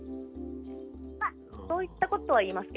そういったことは言いますね。